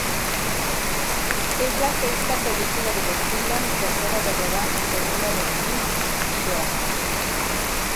Es la sexta película de Godzilla, tercera de Rodan y segunda de King Ghidorah.